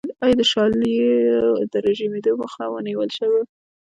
آیا د شالیو د رژیدو مخه نیولی شو؟